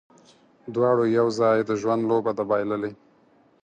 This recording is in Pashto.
دواړو یو ځای، د ژوند لوبه ده بایللې